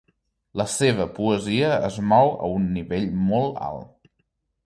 La seva poesia es mou a un nivell molt alt.